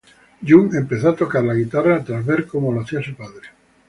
Jung Empezó a tocar la guitarra tras ver como lo hacía su padre.